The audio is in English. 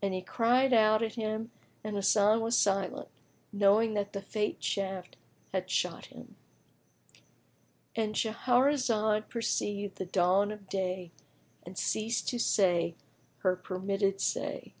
And he cried out at him and Hasan was silent, knowing that the Fate shaft had shot him.—And Shahrazad perceived the dawn of day and ceased to say her permitted say.